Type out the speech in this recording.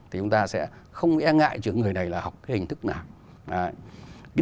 thì chúng ta sẽ không nghe ngại chứ người này là học hình thức nào